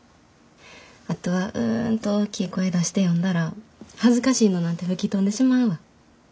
あとはうんと大きい声出して読んだら恥ずかしいのなんて吹き飛んでしまうわ。